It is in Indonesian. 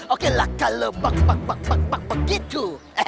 oke lah kalau bak bak bak bak bak bak begitu